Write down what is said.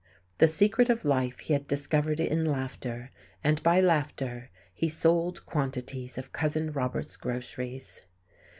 The secret of life he had discovered in laughter, and by laughter he sold quantities of Cousin Robert's groceries.